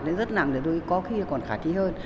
nó rất nặng để tôi có khi còn khả thi hơn